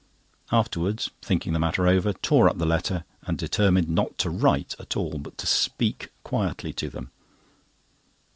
Afterwards, thinking the matter over, tore up the letters and determined not to write at all, but to speak quietly to them.